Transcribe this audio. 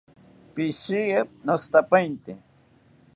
Pishiya, noshitapainte